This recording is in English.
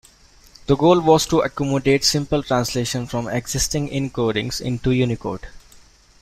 The goal was to accommodate simple translation from existing encodings into Unicode.